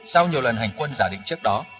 sau nhiều lần hành quân giả định trước đó